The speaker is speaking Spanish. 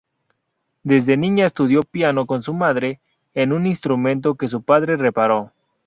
Desde niña estudió piano con su madre en un instrumento que su padre reparó.